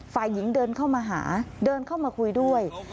ฝ่ายหญิงเดินเข้ามาหาเดินเข้ามาคุยด้วย